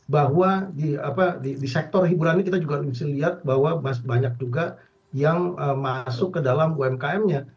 bahwa di sektor hiburan ini kita juga mesti lihat bahwa banyak juga yang masuk ke dalam umkm nya